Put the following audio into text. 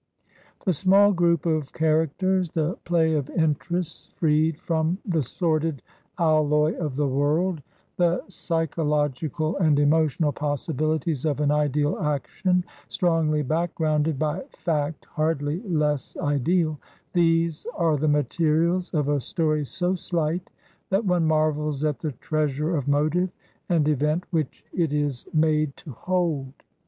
The small group of characters; the play of interests freed from the sordid alloy of the world ; 175 Digitized by VjOOQIC HEROINES OF FICTION the psychological and emotional possibilities of an ideal action strongly backgrounded by fact hardly less ideal — ^these are the materials of a story so slight that one marvels at the treasure of motive and event which it is made to hold.